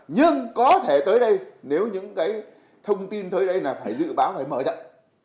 nhưng có thể tới đây nếu những cái thông tin tới đây là phải dự báo phải mở rộng